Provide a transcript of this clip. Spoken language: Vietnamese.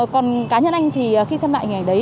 còn cá nhân anh thì khi xem lại ngày đấy